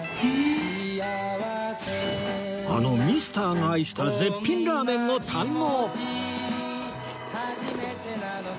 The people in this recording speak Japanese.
あのミスターが愛した絶品ラーメンを堪能！